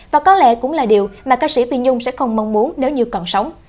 và có lẽ cũng là điều mà ca sĩ vi nhung sẽ không mong muốn nếu như còn sống